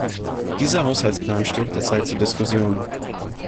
Dieser Haushaltsplan steht derzeit zur Diskussion.